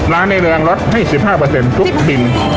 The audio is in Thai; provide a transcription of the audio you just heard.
ในเรืองลดให้๑๕ทุกบิน